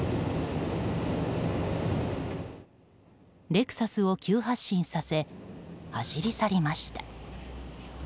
レクサスを急発進させ走り去りました。